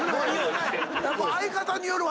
やっぱ相方によるわ。